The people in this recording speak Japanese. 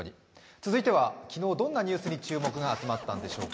続いては、昨日どんなニュースに注目が集まったんでしょうか。